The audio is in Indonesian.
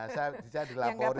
saya di lapori